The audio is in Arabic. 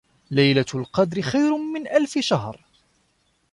لَيلَةُ القَدرِ خَيرٌ مِن أَلفِ شَهرٍ